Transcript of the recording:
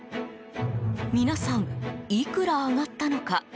皆さん、いくら上がったのか？